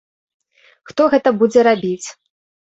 Хто гэта будзе рабіць?